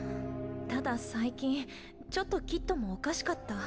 ただ最近ちょっとキッドもおかしかった。